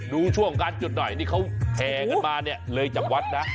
ดูช่วงการจุดหน่อยนี่เขาแห่กันมาเนี่ยเลยจากวัดนะ